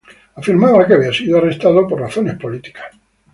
Afirmaba que había sido arrestado por razones políticas.